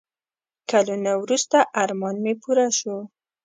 کلونه وروسته ارمان مې پوره شو.